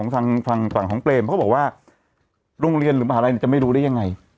ทางฝั่งของเปรมเขาบอกว่าโรงเรียนหรือมหาลัยจะไม่รู้ได้ยังไง